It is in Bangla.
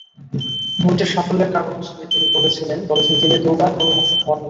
বোল্টের সাফল্যর কারণ হিসেবে তিনি বলেছেন, দিনে দুবার গরুর মাংস খাওয়ার কথা।